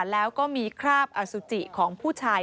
แล้วก็มีคราบอสุจิของผู้ชาย